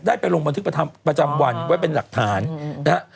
ไปลงบันทึกประจำวันไว้เป็นหลักฐานนะฮะ